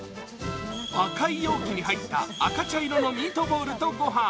赤い容器に入った赤茶色のミートボールと御飯。